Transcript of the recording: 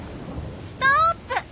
ストップ！